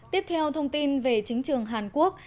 tiếp theo thông tin về chính trường hàn quốc